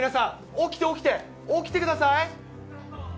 起きて、起きて、起きてください。